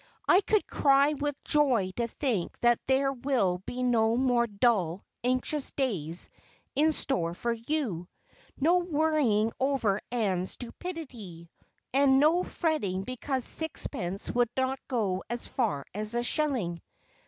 I could cry with joy to think that there will be no more dull, anxious days in store for you, no worrying over Ann's stupidity, and no fretting because sixpence would not go as far as a shilling."